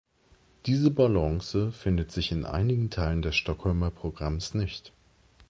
Diese Balance findet sich in einigen Teilen des Stockholmer Programms nicht.